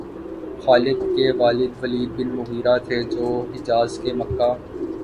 خالد کے والد Walid bin Mughira تھے، جو حجاز کے مکہ